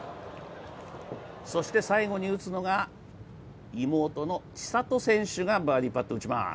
そして最後に打つのが、妹の千怜選手がバーディーパットを打ちます。